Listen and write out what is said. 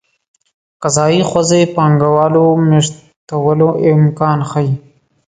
قضايي حوزې پانګه والو مېشتولو امکان ښيي.